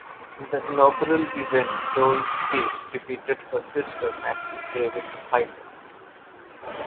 In the inaugural event, Joyce Cave defeated her sister Nancy Cave in the final.